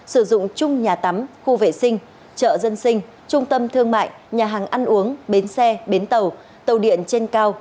sử dụng chung nhà tắm khu vệ sinh chợ dân sinh trung tâm thương mại nhà hàng ăn uống bến xe bến tàu tàu điện trên cao